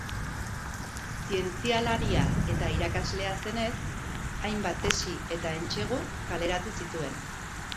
Zientzialaria eta irakaslea zenez, hainbat tesi eta entsegu kaleratu zituen.